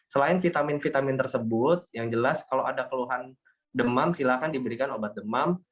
selain vitamin vitamin tersebut yang jelas kalau ada keluhan demam silahkan diberikan obat demam